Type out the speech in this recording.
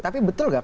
tapi betul gak